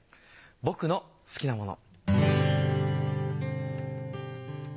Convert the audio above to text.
『僕の好きなもの』。